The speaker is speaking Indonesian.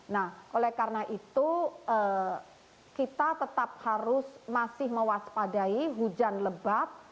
nah oleh karena itu kita tetap harus masih mewaspadai hujan lebat